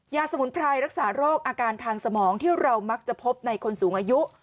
สมุนไพรรักษาโรคอาการทางสมองที่เรามักจะพบในคนสูงอายุ